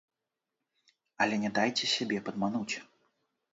Але не дайце сябе падмануць.